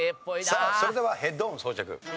さあそれではヘッドホン装着。